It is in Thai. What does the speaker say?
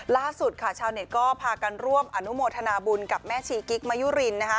ล่าสุดค่ะชาวเน็ตก็พากันร่วมอนุโมทนาบุญกับแม่ชีกิ๊กมะยุรินนะคะ